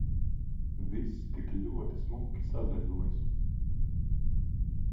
Viss tik ļoti smuki sazaļojis.